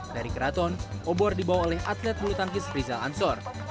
dari keraton obor dibawa oleh atlet mulutangkis rizal ansor